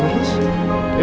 jangan masuk ya